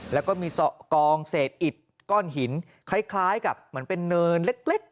แล้วก็มีกองเศษอิดก้อนหินคล้ายกับเหมือนเป็นเนินเล็ก